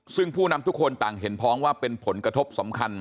ซึ่งผู้นำทุกคนต่างเห็นพ้องว่าเป็นผลกระทบสำคัญ